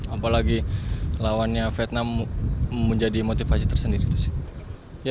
apalagi lawannya vietnam menjadi motivasi tersendiri